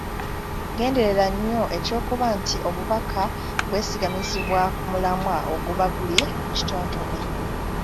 Genderera nnyo eky’okuba nti obubaka bwesigamizibwa ku mulamwa oguba guli mu kitontome.